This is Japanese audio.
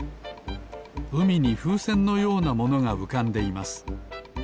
うみにふうせんのようなものがうかんでいます。